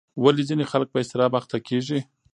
ولې ځینې خلک په اضطراب اخته کېږي؟